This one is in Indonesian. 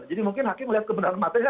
jadi mungkin hakim melihat kebenaran material